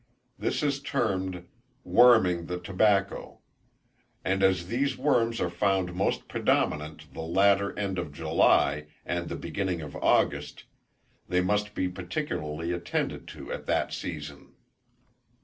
This is termed "worming the tobacco;" and as these worms are found most predominant the latter end of July, and the beginning of August, they must be particularly attended to at that season.